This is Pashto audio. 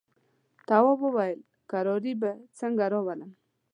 تواب وويل: کراري به څنګه راولم.